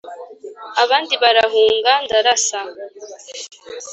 Abandi barahunga ndarasa